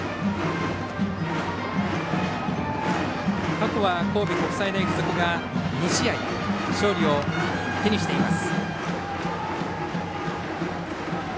過去は神戸国際大付属が２試合勝利を手にしています。